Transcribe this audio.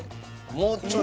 もうちょい。